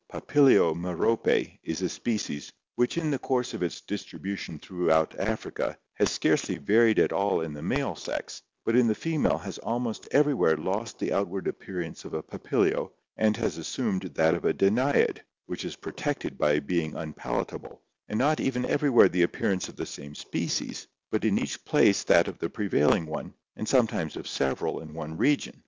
Papilio merope is a species "which in the course of its distribution through Africa, has scarcely varied at all in the male sex, but in the female has almost everywhere lost the outward appearance of a Papilio, and has assumed that of a Danaid, which is protected by being unpalatable, and not even everywhere the appearance of the same species, but in each place that of the pre vailing one, and sometimes of several in one region.